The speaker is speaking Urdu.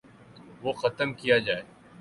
وہ ختم کیا جائے۔